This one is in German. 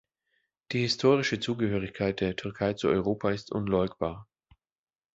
Die historische Zugehörigkeit der Türkei zu Europa ist unleugbar.